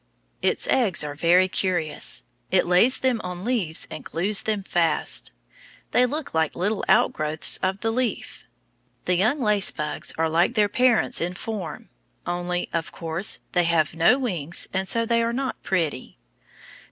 Its eggs are very curious. It lays them on leaves and glues them fast. They look like little out growths of the leaf. The young lace bugs are like their parents in form, only, of course, they have no wings and so they are not pretty.